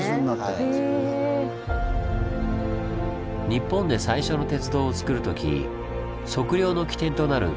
日本で最初の鉄道をつくるとき測量の起点となる